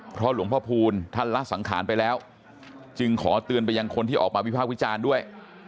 เพราะหลวงพ่อพูลท่านละสังขารไปแล้วจึงขอเตือนไปยังคนที่ออกมาวิภาควิจารณ์ด้วย